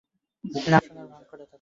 না শোনার ভান করে থাকো।